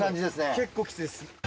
結構きついです。